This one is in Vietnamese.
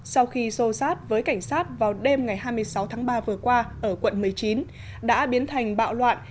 sau khi xô sát với cảnh sát vào đêm ngày hai mươi sáu tháng ba vừa qua ở quận một mươi chín đã biến thành bạo loạn